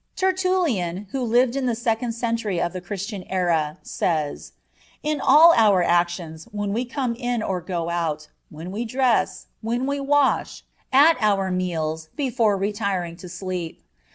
Tertullian, who lived in the second century of the Christian era, says: "In all our actions, when we come in or go out, when we dress, when we wash, at our meals, before retiring to sleep